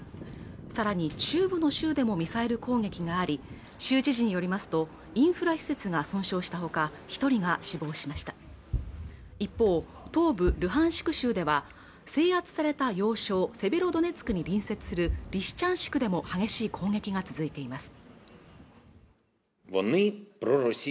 さらに中部の州でもミサイル攻撃があり州知事によりますとインフラ施設が損傷したほか一人が死亡しました一方東部ルハンシク州では制圧された要衝セベロドネツクに隣接するリシチャンシクでも激しい攻撃が続いています